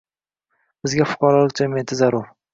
bizga fuqarolik jamiyati zarur